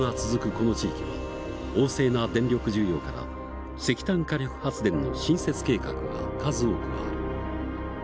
この地域は旺盛な電力需要から石炭火力発電の新設計画が数多くある。